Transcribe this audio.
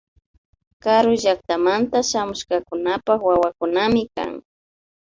Karu llaktamanta shamushkakunapak wawakunami kan